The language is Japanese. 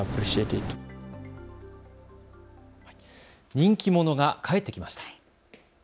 人気者が帰ってきました。